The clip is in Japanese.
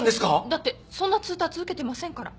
だってそんな通達受けてませんから。